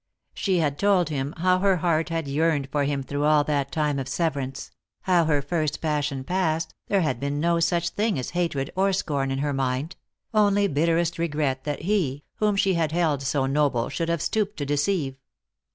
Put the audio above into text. She had told him how her heart had yearned for him through all that time of severance ; how, her first passion past, there had been no such thing as hatred or scorn in her mind ; only bitterest regret that he, whom she had held so noble, should have stooped to deceive.